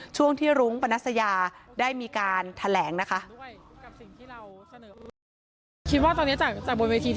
ช่วงที่รุ้งปนัสยาได้มีการแถลงนะคะ